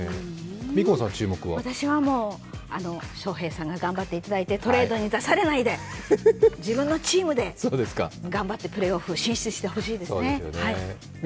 私は翔平さんが頑張っていただいてトレードに出されないで自分のチームで頑張ってプレーオフ進出してほしいですね。